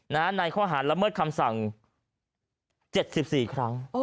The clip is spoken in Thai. ในข้อหารละเมิดคำสั่ง๗๔ครั้ง